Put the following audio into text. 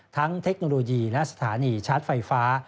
เทคโนโลยีและสถานีชาร์จไฟฟ้า